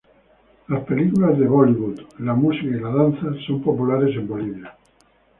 Las películas de Bollywood, la música y la danza son populares en Bolivia.